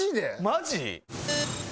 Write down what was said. マジ？